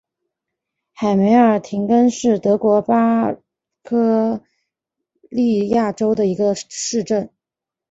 海梅尔廷根是德国巴伐利亚州的一个市镇。